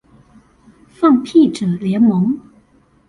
放屁者聯盟